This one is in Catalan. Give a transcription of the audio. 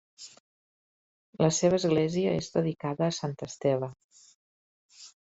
La seva església és dedicada a Sant Esteve.